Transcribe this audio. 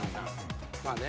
まあね。